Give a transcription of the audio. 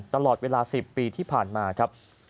ตลอดเวลาสิบปีที่ผ่านมา